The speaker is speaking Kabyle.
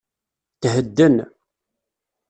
Thedden.